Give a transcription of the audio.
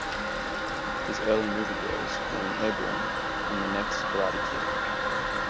His early movie roles were in "Airborne" and "The Next Karate Kid".